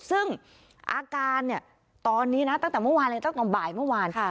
ซึ่งอาการเนี่ยตอนนี้นะตั้งแต่เมื่อวานเลยตั้งแต่บ่ายเมื่อวาน